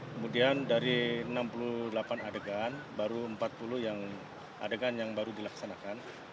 kemudian dari enam puluh delapan adegan baru empat puluh adegan yang baru dilaksanakan